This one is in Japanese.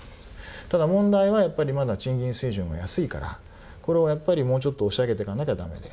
ただ問題は、やっぱりまだ賃金水準が安いからこれをやっぱり、もうちょっと押し上げていかなきゃだめで。